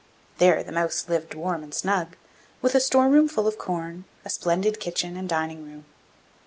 There the mouse lived warm and snug, with a store room full of corn, a splendid kitchen and dining room.